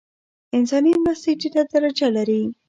انساني مرستې ټیټه درجه لري.